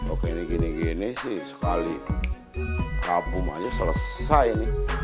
oke ini gini gini sih sekali kampung aja selesai ini